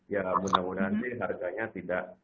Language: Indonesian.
ya mudah mudahan sih harganya tidak